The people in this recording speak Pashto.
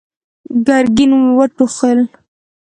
ګرګين وټوخل.